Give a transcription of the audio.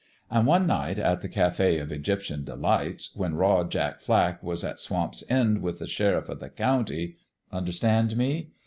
An' one night at the Cafe of Egyptian De lights, when Raw Jack Flack was at Swamp's End with the sheriff o' the county understand me